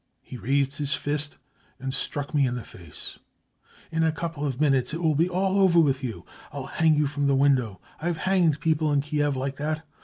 ... He raised his fist and struck me in the face : 4 In a couple of minutes it will be all over with you. I'll hang you from the window. Fve hanged people in Kiev like that.